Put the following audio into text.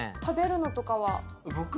食べるのとかは？